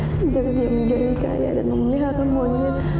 sejak dia menjadi kaya dan memiliki